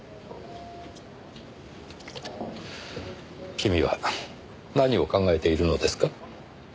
君は何を考えているのですか？